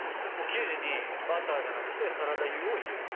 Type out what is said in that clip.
生地にバターじゃなくてサラダ油を入れる！